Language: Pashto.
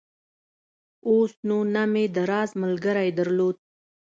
اوس نو نه مې د راز ملګرى درلود.